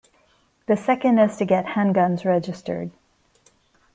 The second is to get handguns registered.